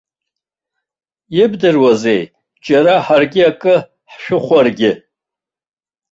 Ибдыруазеи џьара ҳаргьы акы ҳшәыхәаргьы.